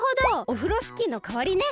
オフロスキーのかわりね。